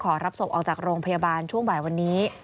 รับศพออกจากโรงพยาบาลช่วงบ่ายวันนี้